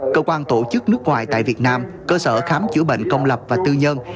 cơ quan tổ chức nước ngoài tại việt nam cơ sở khám chữa bệnh công lập và tư nhân